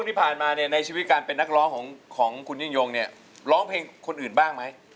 ที่ผ่านมาเนี่ยในชีวิตการเป็นนักร้องของคุณยิ่งยงเนี่ยร้องเพลงคนอื่นบ้างไหม